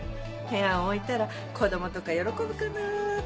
部屋ん置いたら子供とか喜ぶかなって。